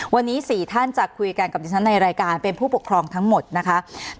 วันนี้๔ท่านจะคุยกันกับดิฉันในรายการเป็นผู้ปกครองทั้งหมดนะคะ